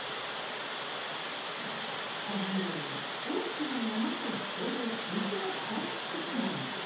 このように大きな山車と人で道が塞がってしまいます。